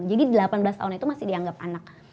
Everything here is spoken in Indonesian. jadi delapan belas tahun itu masih dianggap anak